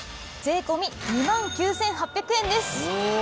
税込２万９８００円です。